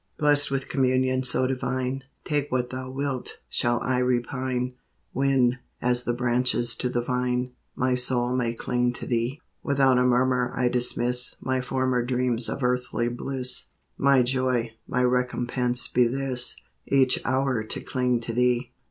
Blest with communion so divine, Take what Thou wilt, shall I repine, When, as the branches to the vine, My soul may cling to Thee ? THE FRIEND UNSEEN. 21 I Without a murmur I dismiss My former dreams of earthly bliss : My joy, my recompense, be this, — Each hour to cling to Thee.